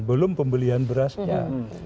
belum pembelian berasnya